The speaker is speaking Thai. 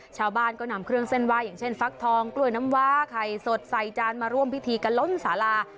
ชาวบ้านก็นำเครื่องเส้นไหว้อย่างเช่นฟักทองกล้วยน้ำว้าไข่สดใส่จานมาร่วมพิธีกันล้นสารา